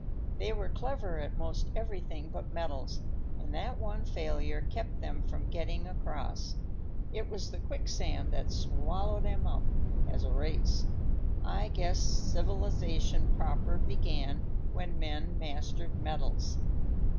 They were clever at most everything but metals; and that one failure kept them from getting across. It was the quicksand that swallowed 'em up, as a race. I guess civilization proper began when men mastered metals."